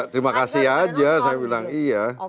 terima kasih aja saya bilang iya